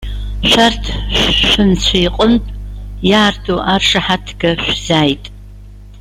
Шәарҭ, шәынцәа иҟынтә иаарту аршаҳаҭга шәзааит.